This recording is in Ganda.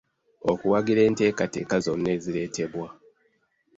Okuwagira enteekateeka zonna ezireetebwa.